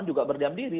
juga berdiam diri